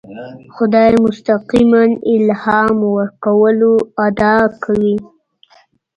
خدای مستقیماً الهام ورکولو ادعا کوي.